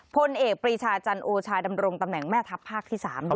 พลเอกปรีชาจันโอชาดำรงตำแหน่งแม่ทัพภาคที่๓ด้วย